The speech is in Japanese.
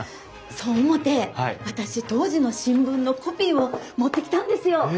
そう思うて私当時の新聞のコピーを持ってきたんですよ！